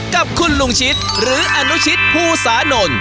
กับคุณลูกชิดหรืออนุชิทพู่สาน่น